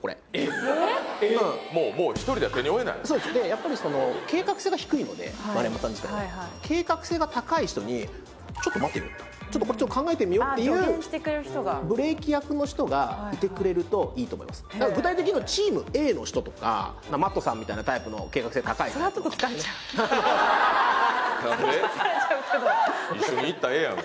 やっぱりその計画性が低いので丸山さん自体が計画性が高い人にちょっと待てよとこれちょっと考えてみようっていうブレーキ役の人がいてくれるといいと思いますだから具体的にはＭａｔｔさんみたいなタイプの計画性高いタイプのそれはちょっと疲れちゃうけどねえ一緒に行ったらええやん